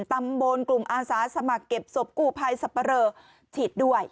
ตำบลกลุ่มอาสาสมัครเก็บศพกู้ภัยสับปะเรอฉีดด้วย